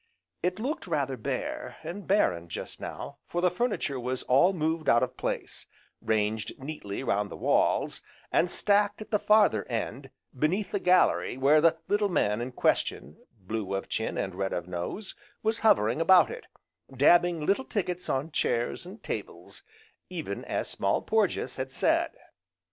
It looked rather bare, and barren, just now, for the furniture was all moved out of place, ranged neatly round the walls, and stacked at the farther end, beneath the gallery where the little man in question, blue of chin, and red of nose, was hovering about it, dabbing little tickets on chairs, and tables, even as Small Porges had said.